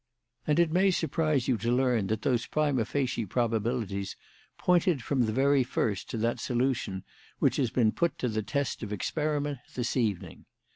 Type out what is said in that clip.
And it may surprise you to learn that those prima facie probabilities pointed from the very first to that solution which has been put to the test of experiment this evening.